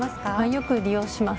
よく利用します。